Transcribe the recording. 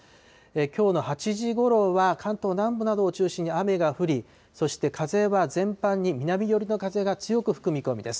きょうの８時ごろは関東南部などを中心に雨が降り、そして風は全般に南寄りの風が強く吹く見込みです。